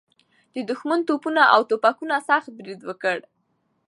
د دښمن توپونه او توپکونه سخت برید وکړ.